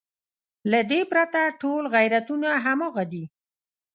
له دې پرته ټول غیرتونه همغه دي.